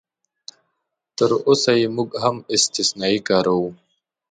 تراوسه یې موږ هم استثنایي کاروو.